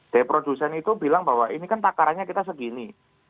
jadi produsen itu bilang bahwa ini kan takarannya kita segini